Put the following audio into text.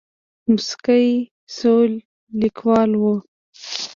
موسکۍ شوه کليوال وو.